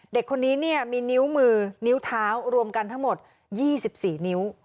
เด็กคนนี้มีนิ้วมือนิ้วเท้ารวมกันทั้งหมด๒๔นิ้ว